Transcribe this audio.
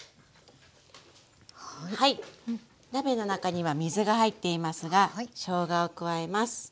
鍋の中には水が入っていますがしょうがを加えます。